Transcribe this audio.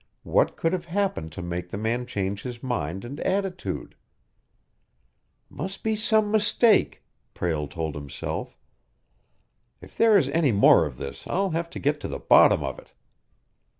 What could have happened to make the man change his mind and attitude? "Must be some mistake!" Prale told himself. "If there is any more of this, I'll have to get to the bottom of it!"